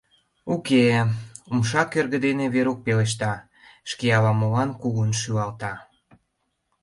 — Уке-е, — умша кӧргӧ дене Верук пелешта, шке ала-молан кугун шӱлалта.